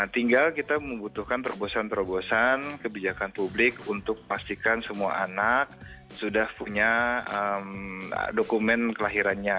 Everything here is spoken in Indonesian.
tinggal kita membutuhkan terobosan terobosan kebijakan publik untuk pastikan semua anak sudah punya dokumen kelahirannya